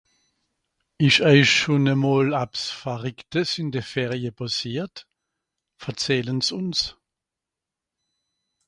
isch eich schon e mol abs varicktes in de Ferie pàssiert? verzählen's uns